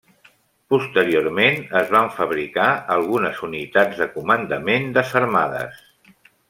Posteriorment es van fabricar algunes unitats de comandament desarmades.